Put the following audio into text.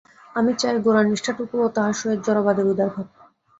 আমি চাই গোঁড়ার নিষ্ঠাটুকু ও তাহার সহিত জড়বাদীর উদার ভাব।